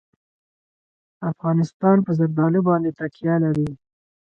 افغانستان په زردالو باندې تکیه لري.